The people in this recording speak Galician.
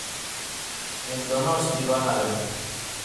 En Donosti van alén.